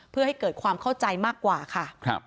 เพื่อให้เกิดความเข้าใจมากกว่าค่ะ